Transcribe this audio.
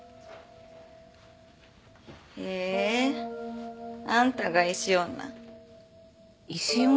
へえあんたが石女。